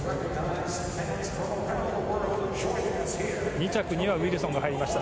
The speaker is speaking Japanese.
２着にはウィルソンが入りました。